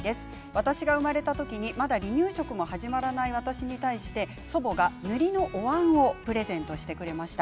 私が生まれた時にまだ離乳食も始まらない私に対して祖母が塗りのおわんをプレゼントしてくれました。